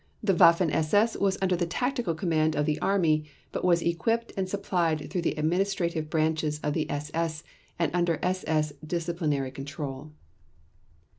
The Waffen SS was under the tactical command of the Army, but was equipped and supplied through the administrative branches of the SS and under SS disciplinary control.